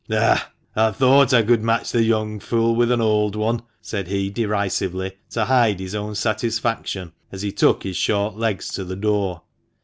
" Ah ! I thought I could match the young fool with an old one," said he derisively, to hide his own satisfaction, as he took his short legs to the door.